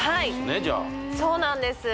じゃあそうなんです